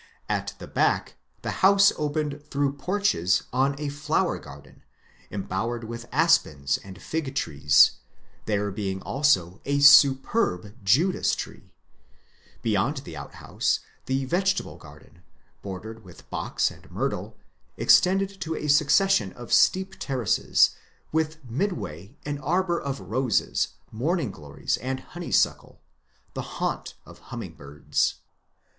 At the back the house opened through porches on a flower garden embowered with aspens and fig trees, there being also a superb Judas tree ; beyond the outhouses the vegetable garden, bordered with box and myrtle, extended to a succession of steep terraces, with mid way an arbour of roses, morning glories, and honeysuckle, — the haunt of hummingbirds.